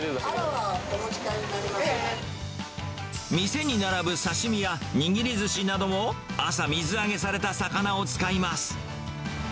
店に並ぶ刺身や、握りずしなども、朝、水揚げされた魚を使います。